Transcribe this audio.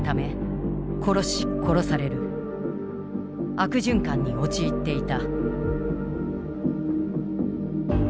悪循環に陥っていた。